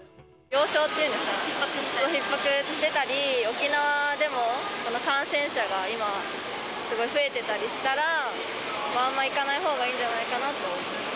病床がひっ迫してたり、沖縄でも感染者が今、すごい増えてたりしたら、あんま行かないほうがいいんじゃないかなと思ってます。